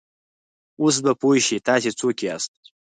اوس به پوه شې، تاسې څوک یاست؟